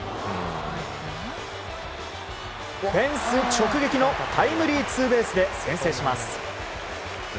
フェンス直撃のタイムリーツーベースで先制します。